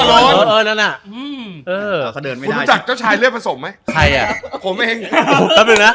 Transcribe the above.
เจ้าชายเลือดผสมไหม